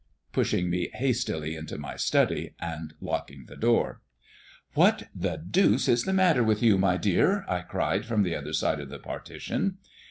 (Pushing me hastily into my study, and locking the door.) "What the deuce is the matter with you, my dear?" I cried from the other side of the partition.